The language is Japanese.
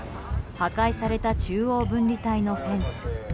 破壊された中央分離帯のフェンス。